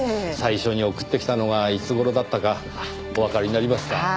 最初に送ってきたのがいつ頃だったかおわかりになりますか？